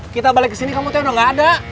kita balik ke sini kamu tuh sudah tidak ada